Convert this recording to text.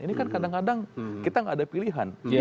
ini kan kadang kadang kita nggak ada pilihan